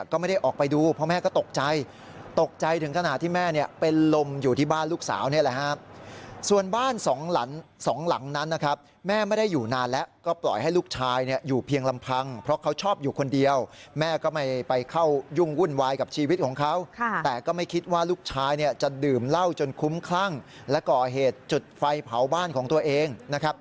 ก็ไม่ได้ออกไปดูเพราะแม่ก็ตกใจตกใจถึงขนาดที่แม่เนี่ยเป็นลมอยู่ที่บ้านลูกสาวนี่แหละครับส่วนบ้านสองหลังสองหลังนั้นนะครับแม่ไม่ได้อยู่นานแล้วก็ปล่อยให้ลูกชายเนี่ยอยู่เพียงลำพังเพราะเขาชอบอยู่คนเดียวแม่ก็ไม่ไปเข้ายุ่งวุ่นวายกับชีวิตของเขาแต่ก็ไม่คิดว่าลูกชายเนี่ยจะดื่มเหล้าจนคุ้มคลั่งและก่อเหตุจุดไฟเผาบ้านของตัวเองนะครับ